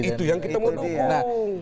itu yang kita menunggu